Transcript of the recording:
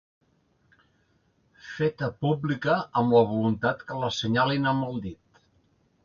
Feta pública amb la voluntat que l'assenyalin amb el dit.